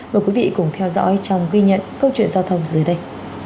mời quý vị cùng theo dõi trong ghi nhận câu chuyện giao thông dưới đây